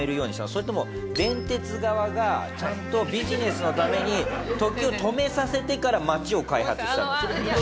それとも電鉄側がちゃんとビジネスのために特急止めさせてから街を開発したの？